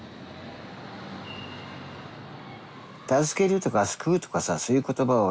助けるとか救うとかさそういう言葉